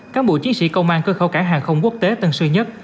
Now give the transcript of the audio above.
cáng bộ chiến sĩ công an cửa khẩu cảng hàng không quốc tế tân sơn nhất